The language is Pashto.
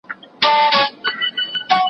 خو هر غوږ نه وي لایق د دې خبرو